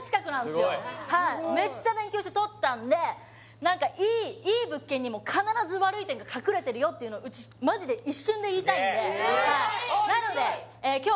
すごいめっちゃ勉強して取ったんで何かいい物件にも必ず悪い点が隠れてるよっていうのうちマジで一瞬で言いたいんでなので今日